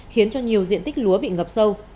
khiến cho nhiều diện tích lúa bị ngập sâu